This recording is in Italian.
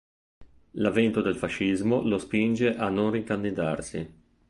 L'avvento del fascismo lo spinge a non ricandidarsi.